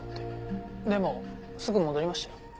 でもすぐ戻りましたよ。